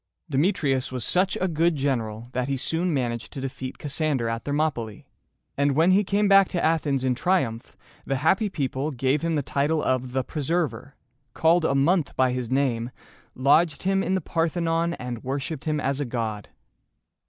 Demetrius was such a good general that he soon managed to defeat Cassander at Thermopylæ; and when he came back to Athens in triumph, the happy people gave him the title of "The Preserver," called a month by his name, lodged him in the Parthenon, and worshiped him as a god.